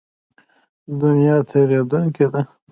دنیا تېرېدونکې ده.